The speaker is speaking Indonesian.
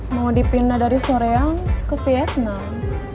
mau dipindah dari soreang ke vietnam